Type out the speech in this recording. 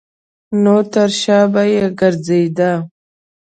نو تر شا به یې ګرځېده.